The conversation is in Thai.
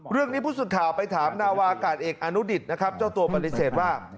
เรื่องนี้ผู้สุดถ่าวไปถามนาวาอากาศเอกอนุดิตนะครับเจ้าตัวบัณฑิเศษว่า